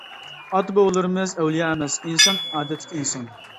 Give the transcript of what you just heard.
ئاتا بوۋىلىرىمىز ئەۋلىيا ئەمەس، ئىنسان، ئادەتتىكى ئىنسان.